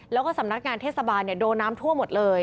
แล้วก็สำนักงานเทศบาลโดนน้ำทั่วหมดเลย